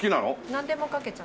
なんでもかけちゃう？